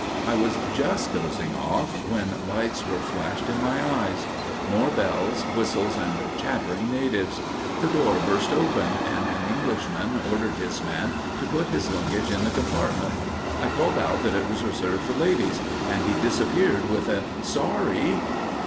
I was just dozing off, when lights were flashed in my eyes. More bells, whistles, and chattering natives! The door burst open, and an Englishman ordered his man to put his luggage in the compartment. I called out that it was reserved for ladies, and he disappeared with a "Sorry!"